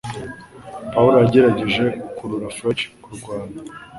Pawulo yagerageje gukurura Fletch kurwana